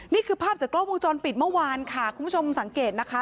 นี่คือภาพจากกล้องวงจรปิดเมื่อวานค่ะคุณผู้ชมสังเกตนะคะ